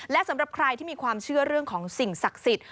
และสำหรับใครที่มีความเชื่อเรื่องของสิ่งศักดิ์สิทธิ์